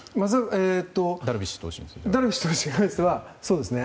ダルビッシュ投手はそうですね。